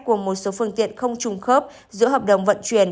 cùng một số phương tiện không trung khớp giữa hợp đồng vận chuyển